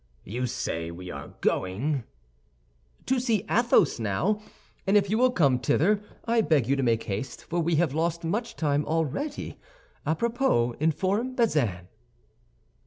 You say we are going—" "To see Athos now, and if you will come thither, I beg you to make haste, for we have lost much time already. A propos, inform Bazin."